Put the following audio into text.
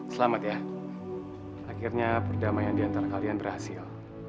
selamat ya akhirnya perdamaian diantara kalian berhasil